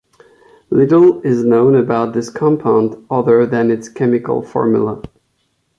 Little is known about this compound other than its chemical formula.